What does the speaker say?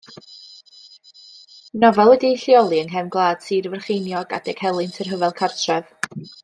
Nofel wedi'i lleoli yng nghefn gwlad Sir Frycheiniog adeg helynt y Rhyfel Cartref.